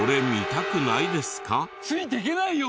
ついていけないよ